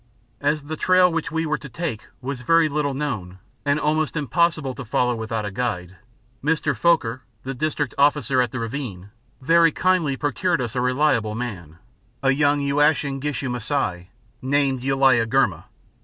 As the trail which we were to take was very little known and almost impossible to follow without a guide, Mr. Foaker, the District Officer at the Ravine, very kindly procured us a reliable man a young Uashin Gishu Masai named Uliagurma.